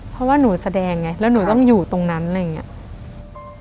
เพราะว่าหนูแสดงไงแล้วหนูต้องอยู่ตรงนั้นอะไรอย่างนี้